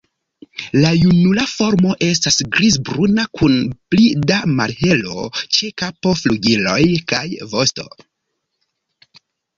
La junula formo estas griz-bruna kun pli da malhelo ĉe kapo, flugiloj kaj vosto.